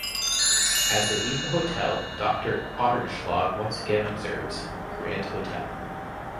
As they leave the hotel, Doctor Otternschlag once again observes, Grand Hotel.